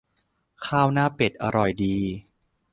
ข้าวหน้าเป็ดอร่อยดี